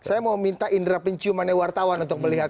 saya mau minta indera penciumannya wartawan untuk melihat